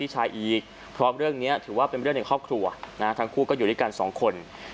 ส่งผู้อยู่ด้วยกัน๒คน